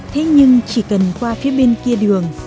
thế nhưng chỉ cần qua phía bên kia đường